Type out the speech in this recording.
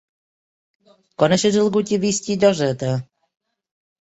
Coneixes algú que visqui a Lloseta?